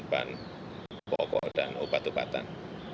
bahan pokok dan obat obatan